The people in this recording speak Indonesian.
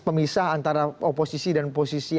pemisah antara oposisi dan posisi